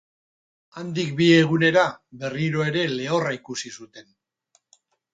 Handik bi egunera berriro ere lehorra ikusi zuten.